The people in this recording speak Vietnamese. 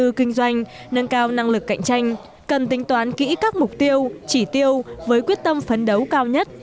đầu tư kinh doanh nâng cao năng lực cạnh tranh cần tính toán kỹ các mục tiêu chỉ tiêu với quyết tâm phấn đấu cao nhất